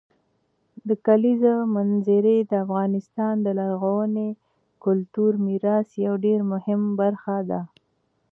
د کلیزو منظره د افغانستان د لرغوني کلتوري میراث یوه ډېره مهمه برخه ده.